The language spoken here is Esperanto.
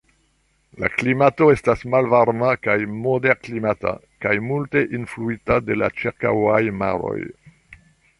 La klimato estas malvarma kaj moderklimata kaj multe influita de la ĉirkaŭaj maroj.